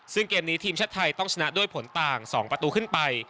ซึ่งเกมนี้ทีมชาติไทยต้องชนะด้วยผลต่าง๒ประตูขึ้นไป